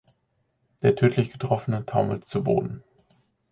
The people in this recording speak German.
Der tödlich Getroffene taumelt zu Boden.